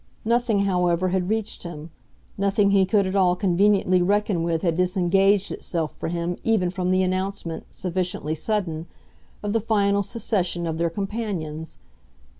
Nothing, however, had reached him; nothing he could at all conveniently reckon with had disengaged itself for him even from the announcement, sufficiently sudden, of the final secession of their companions.